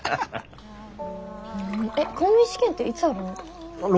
えっ公務員試験っていつあるの？